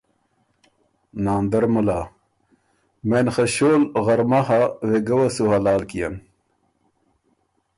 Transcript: ناندر مُلا ـــ”مېن خه ݭول غرمۀ هۀ۔ وېګۀ وه سو حلال کيېن“